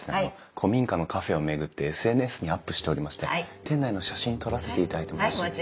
古民家のカフェを巡ってＳＮＳにアップしておりまして店内の写真撮らせていただいてもよろしいでしょうか？